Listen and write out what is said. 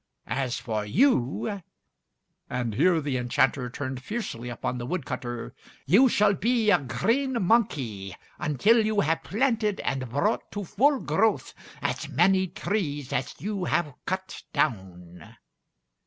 As for you," and here the enchanter turned fiercely upon the wood cutter, "you shall be a green monkey, until you have planted and brought to full growth as many trees as you have cut down."